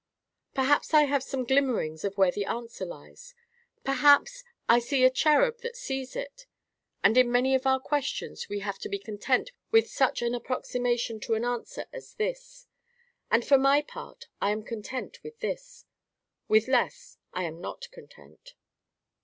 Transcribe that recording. Perhaps I have some glimmerings of where the answer lies. Perhaps "I see a cherub that sees it." And in many of our questions we have to be content with such an approximation to an answer as this. And for my part I am content with this. With less, I am not content.